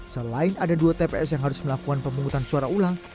selain ada dua tps yang harus melakukan pemungutan suara ulang